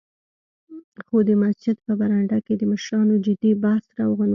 خو د مسجد په برنډه کې د مشرانو جدي بحث روان و.